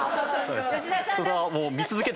それはもう。